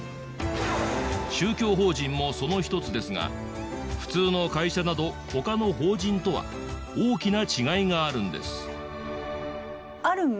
宗教法人もその一つですが普通の会社など他の法人とは大きな違いがあるんです。